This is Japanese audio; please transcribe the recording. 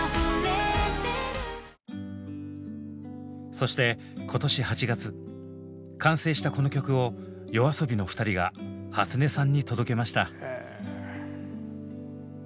そして今年８月完成したこの曲をＹＯＡＳＯＢＩの２人がはつねさんに届けました。